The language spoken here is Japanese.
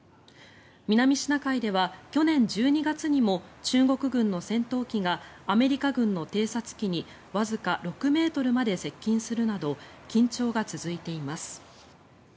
南シナ海では去年１２月にも中国軍の戦闘機がアメリカ軍の偵察機にわずか６ｍまで接近するなど緊張が続いています。